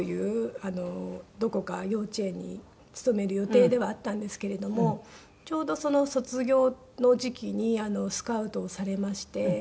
どこか幼稚園に勤める予定ではあったんですけれどもちょうど卒業の時期にスカウトをされまして。